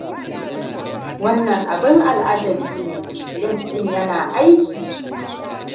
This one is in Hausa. Wannan abin al'ajabi ne! Link ɗin yana aiki!